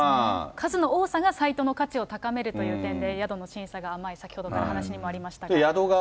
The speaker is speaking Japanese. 数の多さがサイトの価値を高めるという点で、宿の審査が甘い、先ほどの話にもありましたが。